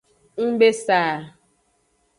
Ng be sa.